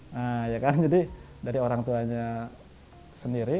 nah ya kan jadi dari orang tuanya sendiri